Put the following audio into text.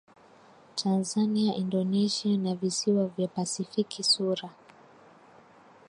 Tanzania Indonesia na Visiwa vya Pasifiki sura